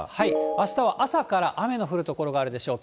あしたは朝から雨の降る所があるでしょう。